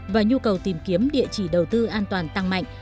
và nhu cầu tìm kiếm địa chỉ đầu tư an toàn tăng mạnh